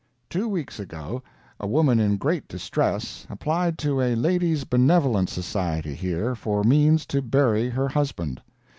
Two weeks ago, a woman in great distress, applied to a Ladies' Benevolent Society here for means to bury her husband.